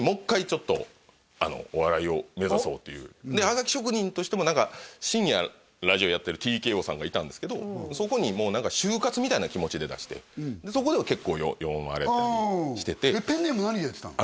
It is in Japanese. ちょっとお笑いを目指そうっていうでハガキ職人としても深夜のラジオやってるＴＫＯさんがいたんですけどそこに就活みたいな気持ちで出してそこでは結構読まれたりしててペンネーム何でやってたの？